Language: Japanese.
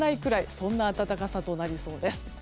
そんな暖かさとなりそうです。